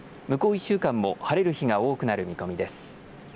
１週間も晴れる日が多くなる見込みです。